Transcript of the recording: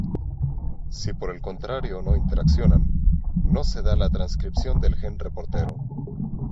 Si por el contrario no interaccionan, no se da la transcripción del gen reportero.